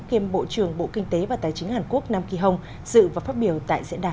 kiêm bộ trưởng bộ kinh tế và tài chính hàn quốc nam kỳ hồng dự và phát biểu tại diễn đàn